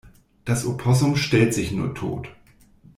Das Opossum stellt sich nur tot.